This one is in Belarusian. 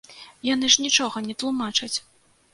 Яны ж нічога не тлумачаць!